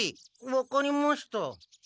分かりました。